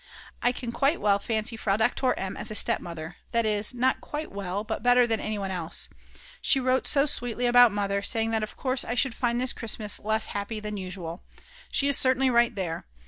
I can quite well fancy Frau Doktor M. as a stepmother, that is, not quite well, but better than anyone else. She wrote so sweetly about Mother, saying that of course I should find this Christmas less happy than usual. She is certainly right there.